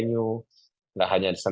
nggak hanya di